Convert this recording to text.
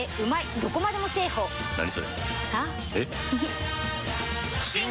どこまでもだあ！